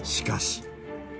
しかし。